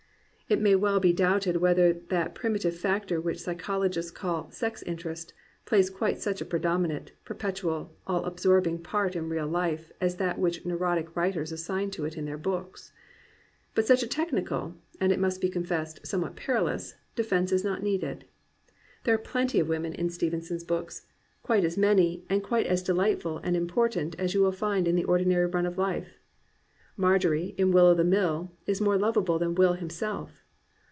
It may well be doubted whether that primitive factor which psychologists call "sex interest" plays quite such a predominant, perpetual, and all absorbing part in real life as that which neurotic writers assign to it in their books. But such a technical, (and it must be confessed, somewhat perilous,) defense is not needed. There are plenty of women in Stevenson's books, — quite 382 AN ADVENTURER as many, and quite as delightful and important as you will find in the ordinary run of life. Marjory in Will o' the MUJ is more lovable than Will him self.